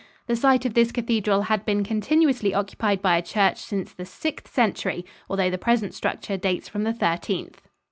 The site of this cathedral had been continuously occupied by a church since the Sixth Century, although the present structure dates from the Thirteenth.